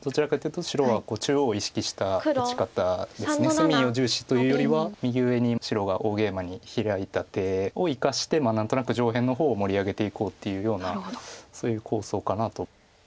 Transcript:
隅を重視というよりは右上に白が大ゲイマにヒラいた手を生かして何となく上辺の方を盛り上げていこうっていうようなそういう構想かなと。